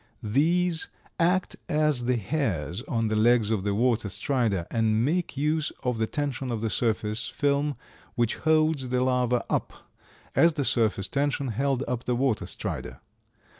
These act as the hairs on the legs of the Water strider, and make use of the tension of the surface film which holds the larva up, as the surface tension held up the Water strider.